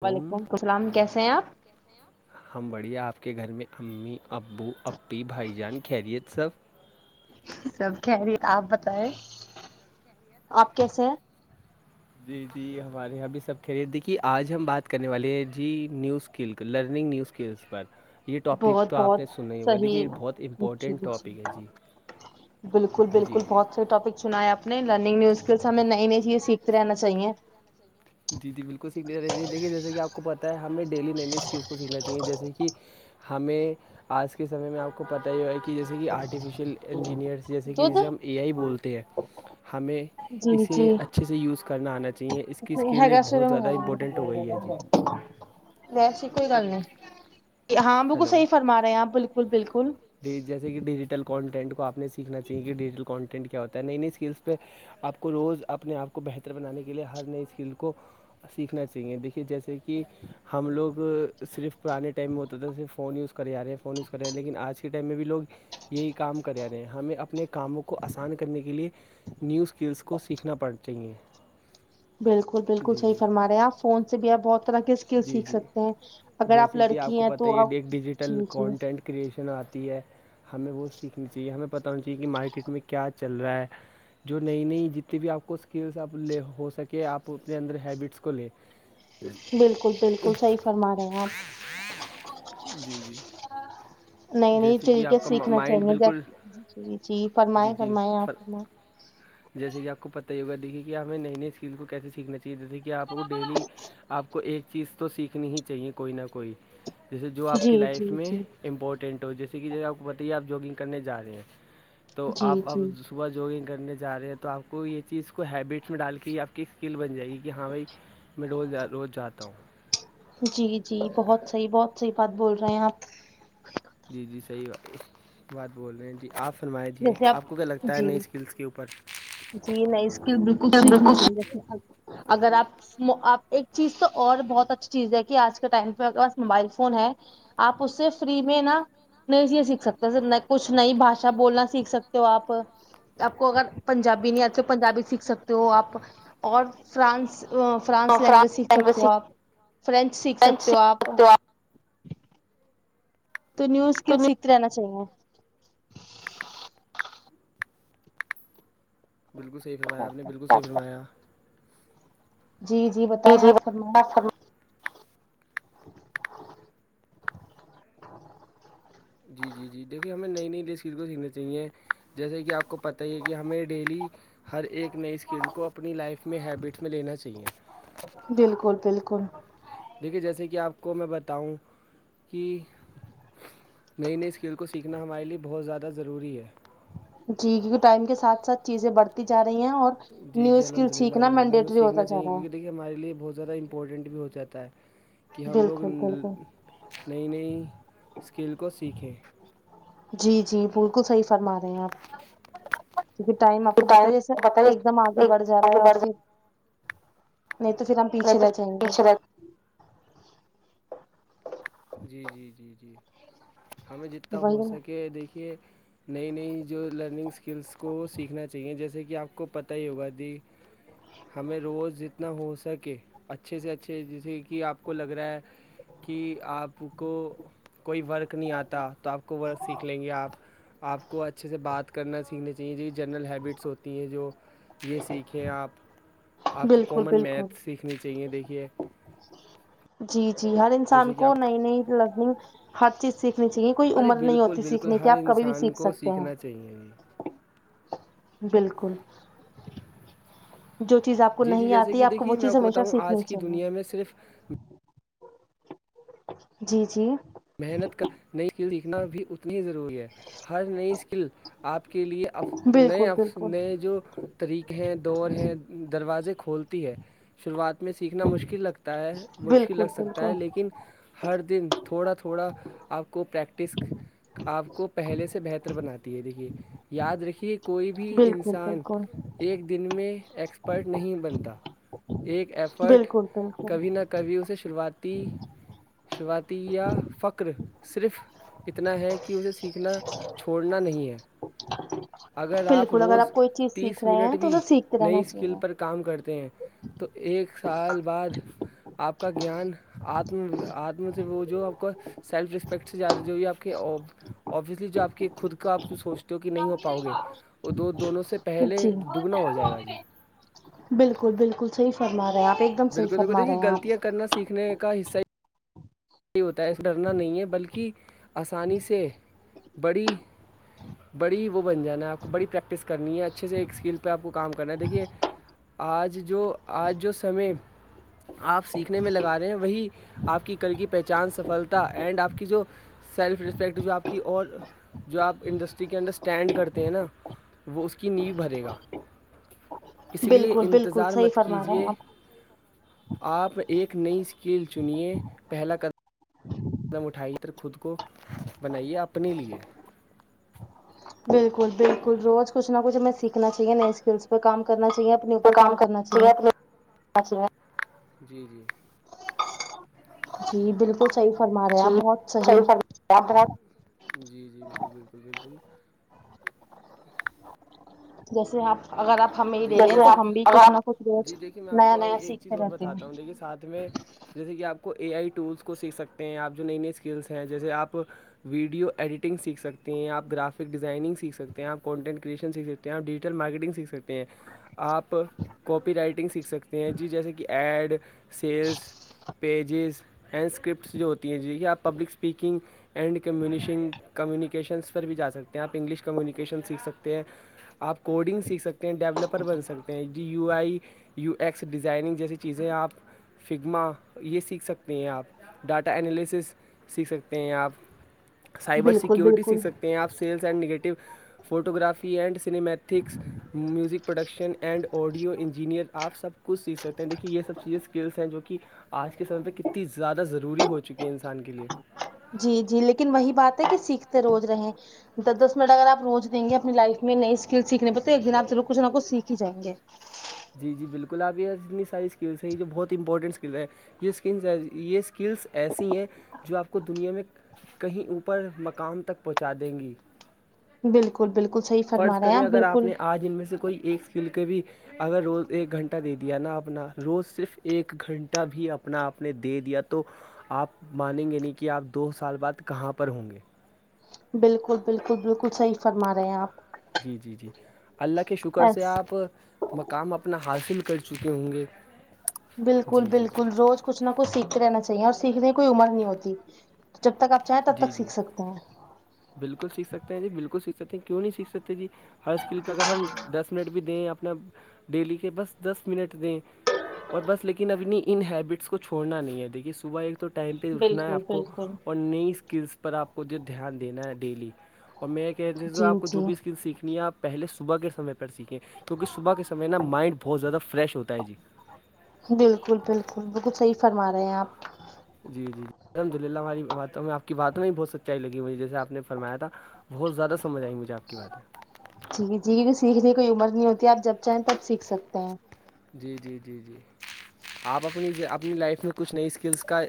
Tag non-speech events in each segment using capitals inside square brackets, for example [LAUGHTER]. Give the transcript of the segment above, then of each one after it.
تم وعلیکم السلام کیسے ہیں آپ ہم بڑھیا آپ کے گھر میں امی ابو اپی بھائی جان خیریت سب سب خیریت آپ بتائے آپ کیسے ہیں جی جی ہمارے یہاں بھی سب خیریت ہے دیکھیے آج ہم بات کرنے والے ہیں جی news skill learning new skills پر یہ ٹاپک بہت تو آپ بہت نے سننا ہی ہوگا دیکھیے یہ صحیح بہت امپورٹنٹ ٹاپک ہے جی بلکل بلکل جی جی بہت سے ٹاپک سنا ہے آپ نے لرنگ نیو اسکلس ہمیں نئی نئی چیزیں سیکھتے رہنا چاہیے جی جی بلکل سیکھنے رہے دیکھیے جیسے کہ آپ کو پتہ ہے ہمیں ڈیلی نئی نئی اسکلس کو سیکھنا چاہیے جیسے کہ ہمیں آج کے سمے میں آپ کو پتہ ہی ہو ہے کہ کہ جیسے کہ آرٹیفیشیل انجینئرس جیسے کہ دودھ جسے ہم اے آئی بولتے ہیں ہمیں جی اسے جی اچھے سے یوز کرنا آنا چاہیے اسکلس ہے گا سرم [UNINTELLIGIBLE] ویسیے کوئی گل نہیں ہاں بلکل ہیلو سہی فرما رہے ہیں آپ بالک بالکل بالکل جیسے کی ڈیجیٹل کانٹینٹ کو آپ سیکھنا چاہیے کی ڈیجیٹل کانٹینٹ کیا ہوت تا نئی نئی اسکلس پہ آپ کو روز اپنے آپ کو بہتر بنانے کے لیے ہر نئی اسکل کو سیکھنا چاہیے دیکھ جیسے کہ ہم لوگ صرف پرانے ٹائم میں ہوتا تھا صرف فون یوز کر کر یرے ہیں فون یز کر رہے لیکن آج کے ٹائم میں بھی لوگ یہی کام کر آے ہیں ہمیں اپنے کاموں کو آسان کرنے کے لیے نیو اسکلس کو سیکھنا پڑتے ہیں بالکل بالکل صحیح فرما رہے ہیں آپ فون سے بھی آپ بہت طرح کے اسکلس جی سیکھ جی سکتے ہیں اگر آپ جیسے کہ لڑکی ہیں تو آپ جی جی کریئیشن آتی ہے ہمیں وہ سیکھنی چاہیے ہمیں پتہ ہونا چاہیے کہ مارکیٹ میں کیا چل رہا ہے جو نئی نئی جتنی بھی آپ کو اسکلس آپ لے ہو سکے آپ اپنے اندر ہیبٹس کو لے بالکل بالکل صحیح فرما رہے ہیں آپ جی جی نئی نئی جیسے کہ طریقے آپ کا سیکھنا مائنڈ چاہیے بالکل جی جی جی فرمائ جی جی فرمائ آپ فرمائیں جیسے کی آپ کو پتہ ہی ہوگا دیکھیے کی ہمیں نئی نئی اسکل کو کیسے سیکھنا چاہیے جیسے کی آپ کو ڈیلی آپ کو ایک چیز تو سیکھنی ہی چاہیے کوئی نہ کوئی جیسے جو آپ کی جی لائف جی میں جی امپورٹینٹ ہو جیسے کی جو ہے آپ کو پتائیے آپ جگنگ کرنے جا رہے ہیں تو جی آپ اب جی صبح جگنگ کرنے جا رہے ہیں تو آپ کو یے چیز کو ہیبٹس میں ڈال کے ہی آپ کی اسکل بن جائے گی کہ ہاں بھائی میں روز روز جاتا ہوں جی جی بہت صحیح بہت صحیح بات بول رہے ہیں آپ جی جی صحیح بات بول رہے ہیں جی آپ فرما جی آپ کو کیا لگتا ہے جی نئی اسکلس کے اوپر جی نئی اسکل بالکل سیھنی چاہے اگر آپ مو آپ ایک چیز تو اور بہت اچھی چیز ہے کی آج کے ٹائم پے آپ کے پاس موبائل فون ہے آپ اس سے فری میں نا نہیں چیز سیکھ سکتے کچھ نئی بھاشا بولنا سیکھ سکتے ہو آپ آپ کو اگر پنجابی نہیں آتے پنجابی سیکھ سکتے ہو آپ اور فرانس فرانس لینگویج سیکھ سکتے ہو آپ فرینچ سیکھ فرینچ سکتے ہو آپ سکتے ہو تو نیو سکلس سیکھتے رہنا چاہیے بالکل صحیح فرمایا آپ نے بالکل صحیح فمایا جی جی بتائیں آپ فرمائیں فرما جی جی دیکھیے ہمیں نئی نئی [UNINTELLIGIBLE] سیکھنا چاہیے جیسے کی آپ کو پتہ ہی ہے کی ہمیں ڈیلی ہر ایک نئی اسکل کو اپنی لائف میں حبیٹس میں لینا چاہیے بالکل بالکل دیکھیے جیسے کی آپ کو میں بتاؤں کی نئی نئی اسکل کو سیکھنا ہمارے لے بہت زیادہ ضروری ہے جی جی ٹائم کے ساتھ ساتھ چیزیں بڑھتی جا رہی ہیں اور جی نیو جی اسکل الحمد للہ سیکھنا الحمد للہ ہمیں مینڈیٹری ہوتا سیکھنا جا چاہیے رہا کیونکی ہے دیکھیے ہمارے بہت زیادہ امپورٹنٹ بھی ہو جاتا ہے کی ہم لوگ بالکل بالکل نئی نئی اسکل کو سیکھیں جی جی بالکل صحیح فرما رہے ہیں آپ کیونکی ٹائم آپ کو پتا ہے سر پت ایک دم آگے بڑھ جا رہا آگے ہے اور بڑھ پھر جائے نہیں تو پھر ہم نہیں پیچھے تو رہ جائیں گے پیچھے رہ جی جی جی جی ہمیں جتا ہو وہی نا سکے دیکھیے نئی نئی جو لرننگ اسکلس کو سیکھنا چاہیے جیسے کہ آپ کو پتہ ہی ہوگا دی ہمیں روز جتنا ہو سکے اچھے سے اچھے جیسے کہ آپ کو لگ رہا ہے کی آپ کو کوئی ورک نہیں آتا تو آپ کو ورک سیکھ لیں گے آپ آپ کو اچھے سے بات کرنا سیکھنے نجی جنرل ہیبٹس ہوتی ہیں جو یہ سیکھیں آپ آپ کو بالکل کامن بالکل میتھس سیکھنی چاہیے دیکھیے جی جی ہر انسان جیسے کہ کو آپ نئی نئی لرنیگ ہر چیز سیکھنی چاہیے کوئی ارے عمر نہیں بالکل ہوتی سیکھنے کی آپ کبھی بھی سیکھ سکتے ہیں صحیح ہے بالکل جو چیز آپ کو جی جی جی نہیں آتی آپ کو وہ چیز ہمیشہ سیکھنی چاہیے ہمیں صرف جی جی محنت کا نئی اسکیل سیکھنا بھی اتنی ہی ضروری ہے ہر نئی اسکیل آپ کے لیے اف نئے بالکل آفس بالکل نئے جو طریقے ہیں دور ہیں دروازے کھولتی ہے شروعات میں سیکھنا مشکل لگ سکتا ہے مشکل لگ بالکل سکتا بالکل ہے لیکن ہر دن تھوڑا تھو ڑا آپ کو پریکٹس آپ کو پہلے سے بہتر بناتی ہے دیکھیے یاد رکھیے کوئی بھی بالکل انسان بالکل ایک دن میں ایکسپرٹ نہیں بنتا ایک ایفرٹ بالکل بالکل کبھی نہ کبھی اسے شروعاتی شروعاتی یا فرق صرف اتنا ہے کہ اسے سیکھنا چھوڑنا نہیں ہے اگر آپ بالکل اگر روز کوئی چیز سیکھ تیس رہے منٹ ہیں تو بھی اسے سیکھتے نئی رہنا اسکیل پر کام کرتے ہیں تو ایک سال بعد آپ کا گیان اتم اتم سے وہ جو آپ کا سیلف ریسپیکٹ سے زیادہ جو بھی آپ کے ابویسلی جو آپ کے خود کا آپ سوچ تے ہو کے نہیں ہو چاہیے پاؤ گے وہ دو دونوں سے پہلے جی دگنا ہو جائے گا جی بالکل بالکل صحیح فرما رہے آپ ایک دم صحیح بالکل بالکل فرما رہے دیکھیے ہیں غلطیاں آپ کرنا سیکھنے کا حصہ ہی یہ ہوتا ہے ایسا ڈرنا نہیں ہے بلکہ آسانی سے بڑی بڑی وہ بن جانا ہے آپ کو بڑی پریکٹس کرنی ہے اچھے سے ایک اسکیل پہ آپ کو کام کرنا ہے دیکھیے آج جو آج جو سمے آپ سیکھنے میں لگا رہے ہیں وہی آپ کی کل کی پہچان سفلتا اینڈ آپ کی جو سیلف رسپیکٹ جو آپ کی اور جو آپ انڈسٹری کے اندر اسٹینڈ کرتے ہیں نا وہ اس کی نیو بھرے گا اس لیے بالکل بالکل انتظار صحیح مت فرما رہے کیجیے ہیں آپ آپ ایک نئی اسکیل چنیے پہلا قد م اٹھایے خود کو بنائیے اپنے لیے بالکل بالکل روز کچھ نہ کچھ ہمیں سیکھنا چاہیے نئے اسکیلس پہ کام کرنا چاہیے اپنے اوپر [UNINTELLIGIBLE] کام چاہیے کرنا جی جی جی بالکل صحیح فرما رہے آپ جی بہت صحیح [UNINTELLIGIBLE] جی جی بالکل بالکل جیسے آپ اگر آپ ہمیں جی لے جیسے لیں تو ہم بھی کچھ نہ کہ کچھ روز جی دیکھیے میں آپ نیا کو نیا ایک چیز سیکھتے اور رہتے بتاتا ہیں ہوں دیکھیے ساتھ میں جیسے کہ آپ کو اے آئی ٹولس کو سیکھ سکتے ہیں آپ جو نئی نئی اسکیلس ہیں جیسے آپ ویڈیو ایڈیٹنگ سیکھ سکتے ہیں آپ گرافک ڈیزائنگ سیکھ سکتے ہیں آپ کانٹینٹ کریشن سیکھ یا ڈیجیٹل مارکیٹنگ سیکھ سکتے ہیں آپ کاپی رائٹنگ سیکھ سکتے ہیں جی جیسے کہ ad sales pages and scripts جو ہوتی ہیں جی کہ آپ public speaking and communication communications پر بھی جا سکتے ہیں آپ انگلش کمیونیکیشن سیکھ سکتے ہیں آپ کوڈنگ سیکھ سکتے ڈیولپر بن سکتے ہیں جی U I U S designing جیسی چیزیں آپ سیگما یہ سیکھ سکتے ہیں آپ ڈاٹا انلیسیس سیکھ سکتے ہیں آپ سائبر بالکل سیکورٹی بالکل سیکھ سکتے ہیں آپ sales and negative photography and cinematics music production and audio engineer آپ سب کچھ سیکھ سکتے ہیں دیکھیے یہ سب چیزیں اسکلس ہیں جو کی آج کے سمے پہ کتنی زیادہ ضروری ہو چکی ہے انسان کے لیے جی جی لیکن وہی بات ہے کہ سیکھتے روز رہے دس دس منٹ اگر آپ روز دیں گے اپنی لائف میں نئی اسکل سیکھنے پہ تو ایک دن آپ چو کچھ نہ کچھ سیکھ ہی جائینگے جی جی بالکل آپ یہ اتنی ساری اسکلس ہیں یہ جو بہت امپورٹنٹ اسکل ہیں یہ اسکل یہ اسکلس ایسی ہیں جو آپ کو دنیا میں کہیں اوپر مقام تک پہنچا دیں گے بالکل بالکل صحیح فرض فرما رہے ہیں کریں اگر آپ بالکل نے آج ان میں سے کوئی ایک اسکل کے بھی اگر روز ایک گھنٹہ دے دیا نا اپنا روز صرف ایک گھنٹہ بھی اپنا آپ نے دے دیا تو آپ مانیں گے نہیں کہ آپ دو سال بعد کہاں پر بالکل بالکل بالکل صحیح فرما رہے ہیں آپ پر مقام اپنا حاصل کر چکے ہوں گے جی بالکل جی بالکل روز کچھ نہ کچھ سیکھتے رہنا چاہیے اور سیکھنے کی کوئی عمر نہیں ہوتی جب تک آپ چاہے تب جی جی تک جی سیکھ سکتا ہیں بالکل سیکھ ستے ہیں جی بالکل سیکھ سکتے ہیں کیوں نہیں سیکھ سکتے جی ہر اسکل پہ اگر ہم دس منٹ بھی دیں اپنا ڈیلی کے بس دس منٹ دیں اور بس لیکن ابنی ان ہیبٹس کو چھوڑنا نہیں ہے دیکھیے صبح ایک تو ٹائم پہ اٹھنا ہے بالکل آپ کو بالکل اور نی اسکلس پر آپ کو جو دھیان دینا ہے ڈیلی اور میں کہ جی آپ کو جو جی بھی اسکل سیکھنی ہے آپ پہلے صبح کے سمے پر سیکھیں کیونکہ صبح کےسمے نا مائنڈ بہت زیادہ فریش ہوتا ہے جی بالکل بالکل بالکل صحیح فرما رہے ہیں آپ جی جی الحمد للہ ہماری باتوں ہمیں آپ کی باتوں میں بھی بہت سچائی لگی مجھے جیسےآپ نے فرمایا تھا بہت زیاہ سمجھ آئی مجھے آپ کی باتیں جی جیل سیکھنے کی کوئی عمر نہیں ہوتی آپ جب چاہیں تب سیکھ سکتے ہیں جی جی جی جی آپ اپنی اپنی لائف میں کچھ نئی اسکلس کا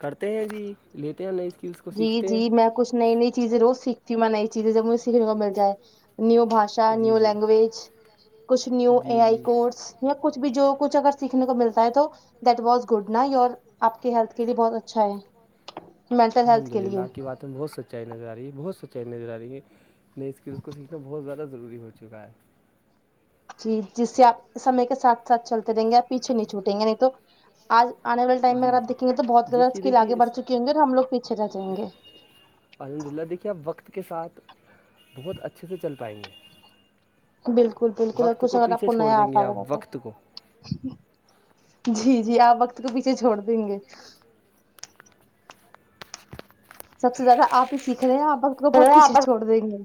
کرتے ہیں جی لیتے ہیں نہیں جی جی میں کچ نئی نئی چیزیں روز سیکھتی ہوں میں نئی چیزیں جب مجھے سیکھنے کو مل جائے نیو بھاشا ہاں جی نیو جی لینگویج کچھ نیو جی اے جی آئی کورس یا کچھ بھی جو کچھ اگر سیکھنے کو ملتا ہے تو دٹ واز گڈ نہ یور آپ کے ہیلتھ کے لیے بہت اچھا ہے مینٹل ہیلتھ الحمد کے للہ لیے آپ کی بات میں بہت سچائی نظر آ رہی ہے بہت سچائی نظر آ رہی ہے نںی اسکل اس کو سیکھنا بہت زیادہ ضروری ہو چکا ہے جی جس سے آپ سمے کے ساتھ ساتھ چلتے رہیں گے آپ پیچھے نہیں چھوٹیں گے نہیں تو آج آنے والے ٹائم میں اگر آپ دیکیں گے تو بہت زیادہ اسکل آگے بھ چکی ہوں گے تو ہم لوگ یچھے رہ جائیں گے الحمد للہ دیکھیے آپ وقت کے ساتھ بہت اچھے سے چل پائیں گے بالکل بالکل اور وقت کچھ اگر آپ پیچھے کو چھوڑ نیا دیں گے آتا آپ ہوگا تو وقت کو جی جی آپ وقت کو پیچھے چھوڑ دیں گے سب سے زیادہ آپ ہی سیکھ رہے ہیں آپ وقت کو بہت پیچھے چوڑ دیں گے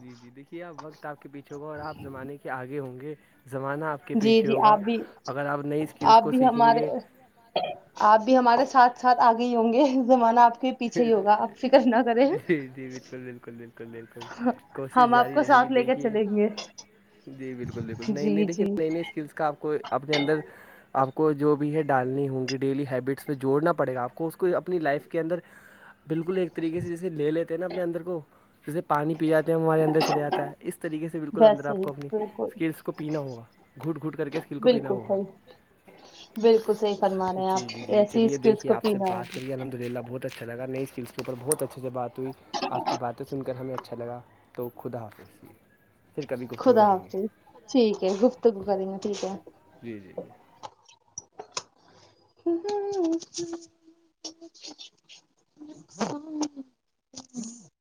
جی جی دیکھیے آ وقت آپ کے پیچھ ہو کاا اور آپ زمانے کے آگے ہوں گے زمانہ آپ کے جی پیچھے جی ہوگا آپ بھی اگر آپ نئی اسکلس آپ کو بھی سیکھیں ہمارے گے آپ بھی ہمارے ساتھ ساتھ آگے ہی ہوں گے زمانہ آپ کے پیچھے ہی ہوگا آپ فکر نہ کریں [UNINTELLIGIBLE] کل [UNINTELLIGIBLE] کوشش ہم آپ جاری کو رہے گی ساتھ لے کر دیکھیے چلیں گے جی بالکل بالکل نئی نئی جی دیکھیے جی نہ نئی نئی اسک کلس کا آپ کو آپ کو اپنے اندر آپ کو جو بھی ہے ڈالنی ہوں گی ڈیلی ہیبٹس پے جوڑنا پڑے گا آپ کو اس کو اپنی لائف کے اندر بالکل ایک طریقے سے جیسے لے لیتے ہیں نا اپنے اندر کو جیسے پانی پی جاتے ہیں ہمارے اندر چلے جاتا ہے اس طریقے سے بالکل اندر ویسے آپ ہی کو اپنی بالکل اسکلس کو پینا ہوا گھٹ گھٹ کر کے اسکل کو پینا بالکل ہوگا صحیح بالکل صحیح فرما رہے ہیں جی آپ جی جی ایسی چلیے اسکلس دیکھیے کو آپ سے پینا بات کر ہوگا کے الحمدللہ اچھا لگا نئی اسکلس کے اور بہت اچھے سے بات ہوئی آپ کی باتیں سن کر ہمیں اچھا لگا تو خدا حافظ پھر کبھی گفتگو خدا کریں گے حافظ ٹھیک ہے گفتگو کریں گے ٹھیک ہے جی [INAUDIBLE] ہ [UNINTELLIGIBLE] [UNINTELLIGIBLE]